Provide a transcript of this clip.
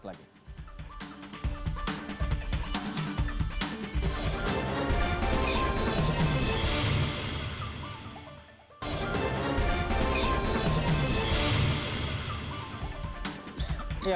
sampai jumpa lagi